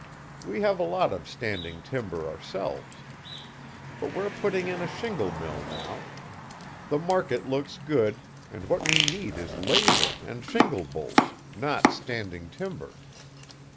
We have a lot of standing timber ourselves. But we're putting in a shingle mill now. The market looks good, and what we need is labor and shingle bolts, not standing timber.